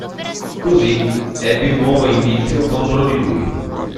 Così, ebbi un nuovo indizio contro di lui.